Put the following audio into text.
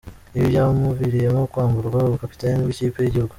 Ibi byamuviriyemo kwamburwa ubukapiteni bw’ikipe y’igihugu.